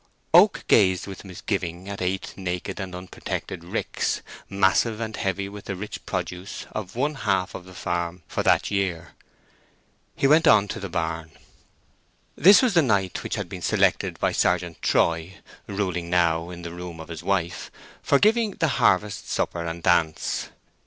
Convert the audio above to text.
Oak gazed with misgiving at eight naked and unprotected ricks, massive and heavy with the rich produce of one half the farm for that year. He went on to the barn. This was the night which had been selected by Sergeant Troy—ruling now in the room of his wife—for giving the harvest supper and dance.